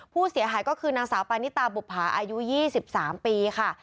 ผู้เสียหายก็คือนางสาวปานิตาบุภาอายุ๒๓ปีค่ะ